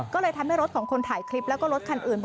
ก็เลยทำให้รถของคนถ่ายคลิปแล้วก็รถคันอื่น